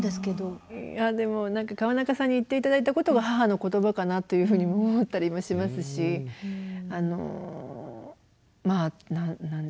でも何か川中さんに言って頂いたことが母の言葉かなというふうに思ったりもしますしまあ何でしょうね。